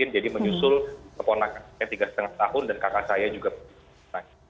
menyusul keponakan saya tiga lima tahun dan kakak saya juga